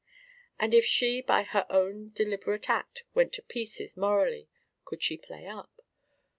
And if she by her own deliberate act went to pieces morally, could she play up?